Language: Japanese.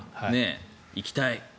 行きたい。